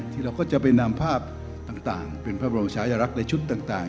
เราก็จะไปนำภาพต่างเป็นพระบรมชายรักษ์ในชุดต่าง